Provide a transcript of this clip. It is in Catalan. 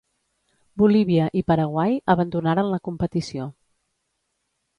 Bolívia, i Paraguai abandonaren la competició.